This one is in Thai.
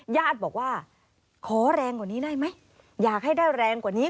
ญาติบอกว่าขอแรงกว่านี้ได้ไหมอยากให้ได้แรงกว่านี้